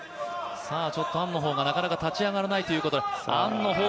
アンの方が、なかなか立ち上がらないということ。